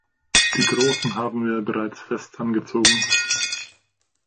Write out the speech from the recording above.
Die großen haben wir ja bereits fest angezogen.